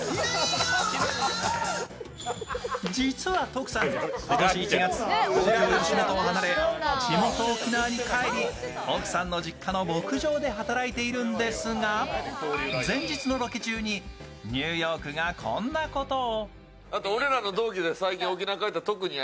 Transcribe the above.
実はＴＯＫＵさん、今年１月東京吉本を離れ地元・沖縄に帰り、奥さんの実家の牧場で働いているんですが、前日のロケ中にニューヨークがこんなことを。